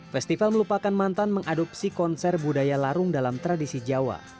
festival melupakan mantan mengadopsi konser budaya larung dalam tradisi jawa